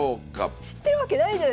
知ってるわけないじゃないすかこれ。